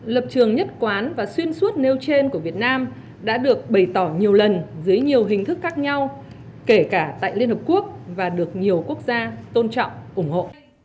lập trường nhất quán và xuyên suốt nêu trên của việt nam đã được bày tỏ nhiều lần dưới nhiều hình thức khác nhau kể cả tại liên hợp quốc và được nhiều quốc gia tôn trọng ủng hộ